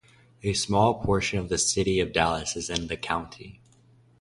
A small portion of the city of Dallas is in the county.